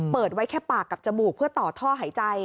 เปิดไว้แค่ปากกับจมูกเพื่อต่อท่อหายใจ